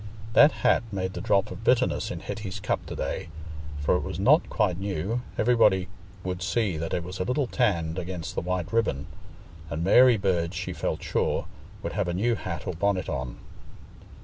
That hat made the drop of bitterness in Hetty's cup to day, for it was not quite new—everybody would see that it was a little tanned against the white ribbon—and Mary Burge, she felt sure, would have a new hat or bonnet on.